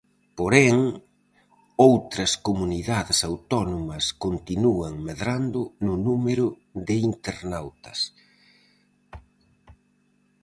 Porén, outras comunidades autónomas continúan medrando no número de internautas.